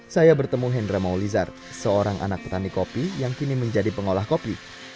saya bertemu hendra maulizar seorang anak petani kopi yang kini menjadi pengolah kopi